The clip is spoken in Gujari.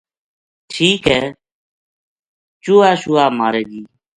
ٹھیک ہے چوہا شوہا مارے گی